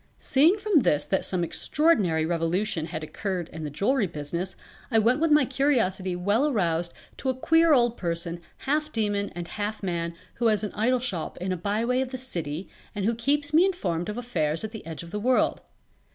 Seeing from this that some extraordinary revolution had occurred in the jewelry business I went with my curiosity well aroused to a queer old person half demon and half man who has an idol shop in a byway of the City and who keeps me informed of affairs at the Edge of the World.